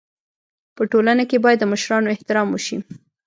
په ټولنه کي بايد د مشرانو احترام وسي.